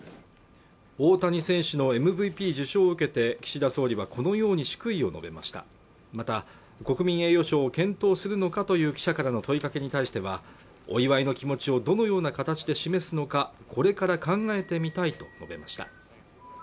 大谷選手のＭＶＰ受賞を受けて岸田総理はこのように祝意を述べましたまた国民栄誉賞を検討するのかという記者からの問いかけに対してはお祝いの気持ちをどのような形で示すのかこれから考えてみたいと述べました